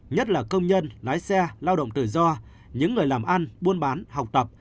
nhất là công nhân lái xe lao động tự do những người làm ăn buôn bán học tập